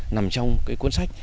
nằm trong cái cuốn sách